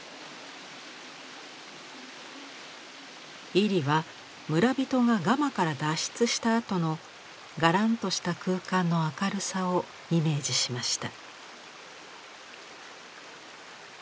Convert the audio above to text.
位里は村人がガマから脱出したあとのがらんとした空間の明るさをイメージしました。